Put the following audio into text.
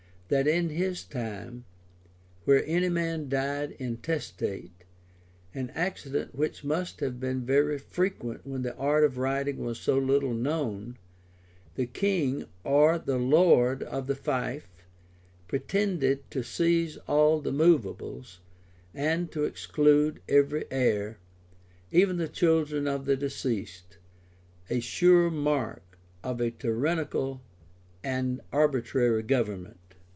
that in his time, where any man died intestate an accident which must have been very frequent when the art of writing was so little known the king, or the lord of the fief, pretended to seize all the movables, and to exclude every heir, even the children of the deceased; a sure mark of a tyrannical and arbitrary government.